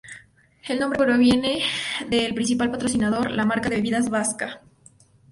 El nombre proviene del principal patrocinador, la marca de bebidas vasca Kas.